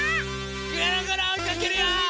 ぐるぐるおいかけるよ！